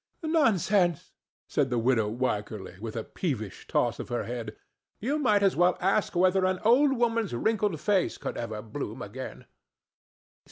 "Nonsense!" said the widow Wycherly, with a peevish toss of her head. "You might as well ask whether an old woman's wrinkled face could ever bloom again."